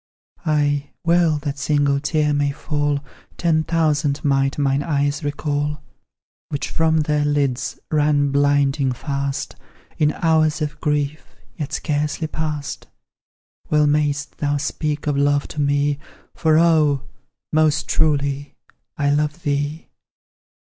Ay, well that single tear may fall; Ten thousand might mine eyes recall, Which from their lids ran blinding fast, In hours of grief, yet scarcely past; Well mayst thou speak of love to me, For, oh! most truly I love thee!